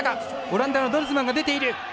オランダのドルスマンが出ている。